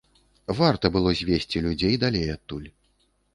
Варта было звесці людзей далей адтуль.